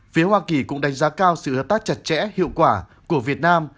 phía hoa kỳ cũng đánh giá cao sự hợp tác chặt chẽ hiệu quả của việt nam